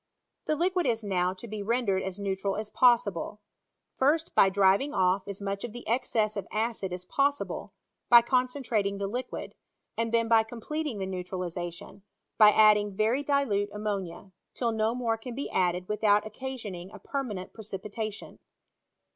The liquid is now to be rendered as neutral as possible ; first, by driving off as much of the excess of acid as possible, by concentrating the liquid ; and then by completing the neutralization, by adding very dilute ammonia, till no more can be added without occa sioning a permanent precipitation.